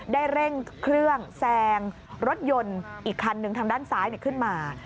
ได้เร่งเครื่องแซงรถยนต์อีกคันหนึ่งทางด้านซ้ายขึ้นมา